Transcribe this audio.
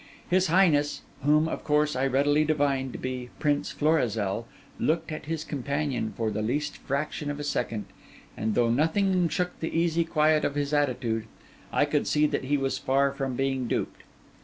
His highness (whom, of course, I readily divined to be Prince Florizel) looked at his companion for the least fraction of a second; and though nothing shook the easy quiet of his attitude, I could see that he was far from being duped.